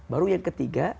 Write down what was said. baru yang ketiga